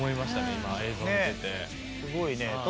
今映像見てて。